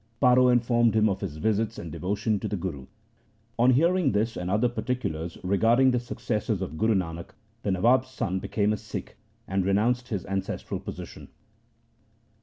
Paro informed him of his visits and devotion to the Guru. On hearing this and other particulars regarding the successors of Guru Nanak, the Nawab's son became a Sikh and renounced his ancestral position.